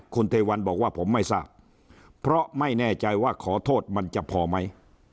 คุณเทวันบอกว่าผมไม่ทราบเพราะไม่แน่ใจว่าขอโทษมันจะพอไหม